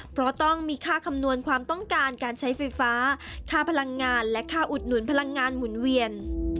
เพราะต้องมีค่าคำนวณความต้องการการใช้ไฟฟ้าค่าพลังงานและค่าอุดหนุนพลังงานหมุนเวียน